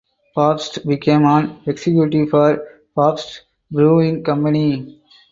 Pabst became an executive for Pabst Brewing Company.